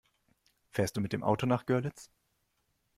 Fährst du mit dem Auto nach Görlitz?